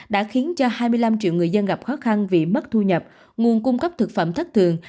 đã khiến cho hai mươi năm triệu người dân gặp khó khăn vì mất thu nhập nguồn cung cấp thực phẩm thất thường